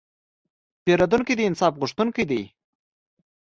پیرودونکی د انصاف غوښتونکی دی.